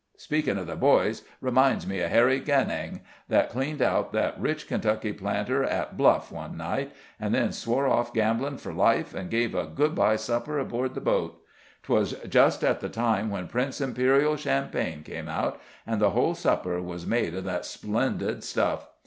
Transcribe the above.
Speaking of the boys reminds me of Harry Genang, that cleaned out that rich Kentucky planter at bluff one night, and then swore off gambling for life, and gave a good by supper aboard the boat. 'Twas just at the time when Prince Imperial Champagne came out, and the whole supper was made of that splendid stuff.